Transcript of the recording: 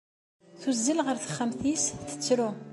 Tuzzel ɣer texxamt-nnes, tettru.